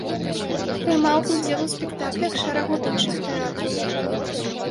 Прымаў удзел у спектаклях шэрагу іншых тэатраў.